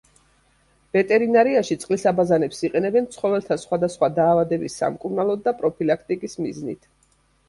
ვეტერინარიაში წყლის აბაზანებს იყენებენ ცხოველთა სხვადსახვა დაავადების სამკურნალოდ და პროფილაქტიკის მიზნით.